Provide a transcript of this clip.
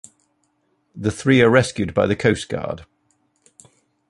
The three are rescued by the coast guard.